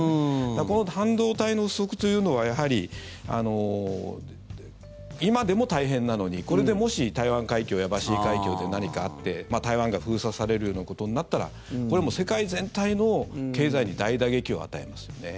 だからこの半導体の不足というのはやはり今でも大変なのにこれでもし台湾海峡やバシー海峡で何かあって台湾が封鎖されるようなことになったら世界全体の経済に大打撃を与えますよね。